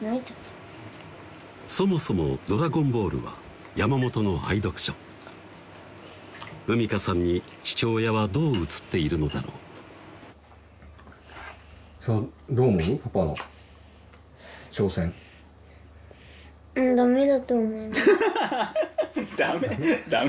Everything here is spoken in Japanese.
そもそも「ドラゴンボール」は山本の愛読書羽美香さんに父親はどう映っているのだろうハハハハハダメ？